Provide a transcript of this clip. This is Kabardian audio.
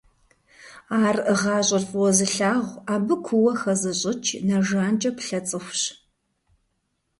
Ар гъащӀэр фӀыуэ зылъагъу, абы куууэ хэзыщӀыкӀ, нэ жанкӀэ плъэ цӀыхущ.